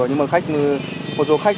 nhưng mà khách một số khách